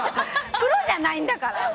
プロじゃないんだから！